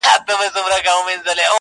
اې د دوو سترگو ښايسته قدم اخله_